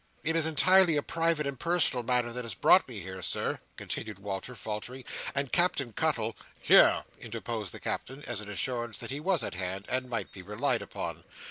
"It is entirely a private and personal matter, that has brought me here, Sir," continued Walter, faltering, "and Captain Cuttle—" "Here!" interposed the Captain, as an assurance that he was at hand, and might be relied upon.